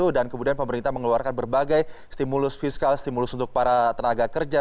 dan kemudian pemerintah mengeluarkan berbagai stimulus fiskal stimulus untuk para tenaga kerja